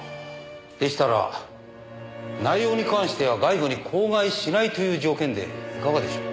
でしたら内容に関しては外部に口外しないという条件でいかがでしょう。